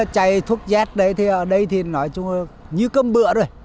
chạy thuốc jet đấy thì ở đây thì nói chung là như cơm bựa rồi